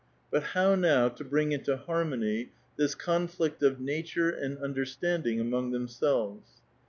But how now to bring into harmony this conflict of nature and understanding among themselves